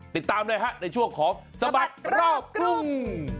ติดตามเลยฮะในช่วงของสบัดรอบกรุง